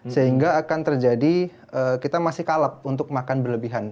sehingga akan terjadi kita masih kalap untuk makan berlebihan